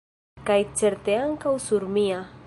Kaj certe ankaŭ sur mia.